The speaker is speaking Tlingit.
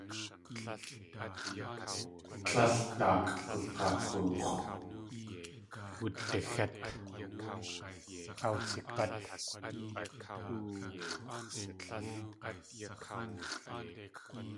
Tlél daak gug̲ak̲oox̲.